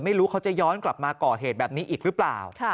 ไม่รู้เขาจะย้อนกลับมาก่อเหตุแบบนี้อีกหรือเปล่า